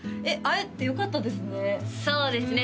会えてよかったですね